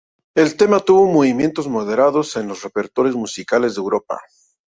El tema tuvo movimientos moderados en los repertorios musicales de Europa.